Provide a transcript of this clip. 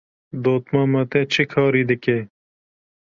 Dotmama te çi karî dike?